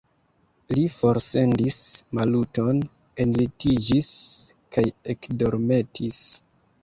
Li forsendis Maluton, enlitiĝis kaj ekdormetis.